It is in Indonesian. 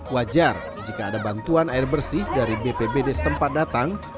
wajar jika ada bantuan air bersih dari bpbd setempat datang